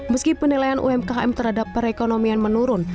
meski penilaian umkm terhadap perekonomian menurun